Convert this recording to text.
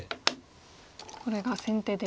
これが先手で。